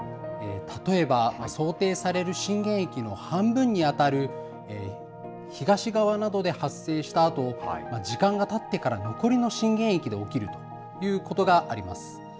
例えば想定される震源域の半分に当たる東側などで発生したあと時間がたってから残りの震源域で起きるということがあります。